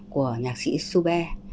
của nhạc sĩ sube